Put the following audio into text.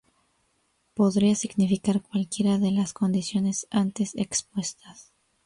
Podría significar cualquiera de las condiciones antes expuestas.